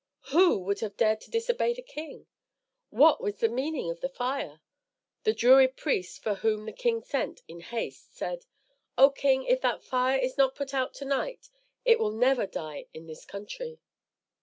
Who could have dared to disobey the king? What was the meaning of the fire? The Druid priest for whom the king sent in haste said: "O king, if that fire is not put out to night, it will never die in this country."